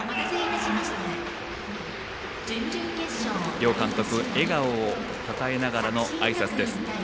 両監督、笑顔を抱えながらのあいさつです。